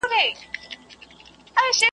څوک هم بې درده قاتلان نۀ ګوري